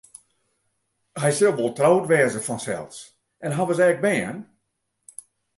Hy sil wol troud wêze fansels en hawwe se ek bern?